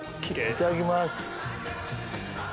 いただきます。